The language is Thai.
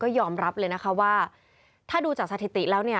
ยอมรับเลยนะคะว่าถ้าดูจากสถิติแล้วเนี่ย